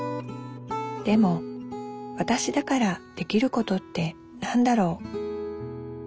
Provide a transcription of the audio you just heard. でもわたしだからできることって何だろう？